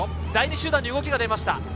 第２集団に動きが出ました。